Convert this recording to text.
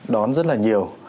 đón rất là nhiều